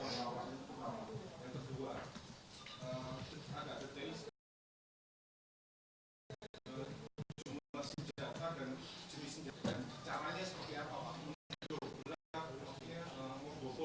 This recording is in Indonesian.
menunjukkan maksudnya ngobrol itu maksudnya seperti apa